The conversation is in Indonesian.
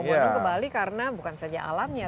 berbondong ke bali karena bukan saja alamnya